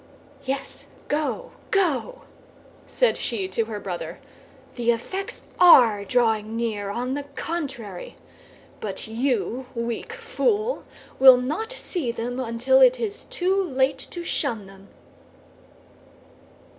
"Yes, go, go!" said she to her brother; "the effects are drawing near, on the contrary; but you, weak fool, will not see them until it is too late to shun them."